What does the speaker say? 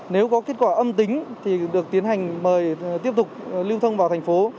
nếu có kết quả âm tính thì được tiến hành mời tiếp tục lưu thông vào thành phố